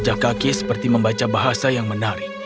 membaca jejak kaki kuda seperti membaca bahasa yang menarik